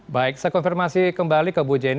baik saya konfirmasi kembali ke bu jenny